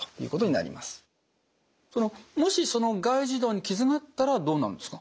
もし外耳道に傷があったらどうなるんですか？